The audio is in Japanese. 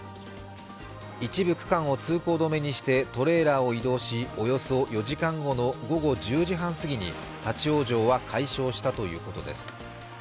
一部区間を通行止めにしてトレーラーを移動し、およそ４時間後の午後１０時半過ぎに立往生は解消したということです。